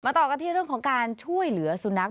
ต่อกันที่เรื่องของการช่วยเหลือสุนัข